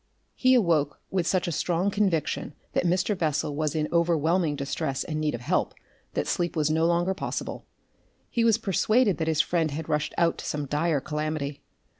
He awoke with such a strong conviction that Mr. Bessel was in overwhelming distress and need of help that sleep was no longer possible. He was persuaded that his friend had rushed out to some dire calamity.